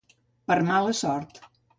Per mala sort.